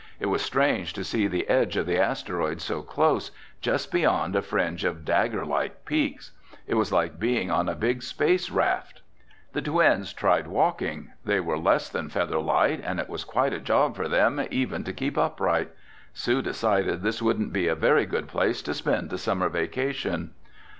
It was strange to see the edge of the asteroid so close, just beyond a fringe of dagger like peaks. It was like being on a big space raft. The twins tried walking. They were less than feather light and it was quite a job for them even to keep upright. Sue decided this wouldn't be a very good place to spend a summer vacation.